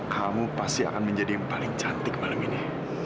kamu pasti akan menjadi yang paling cantik malam ini